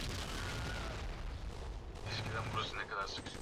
kuhifadhi pesa yake kwenye mfuko wa hifadhi za jamii nchini tanzania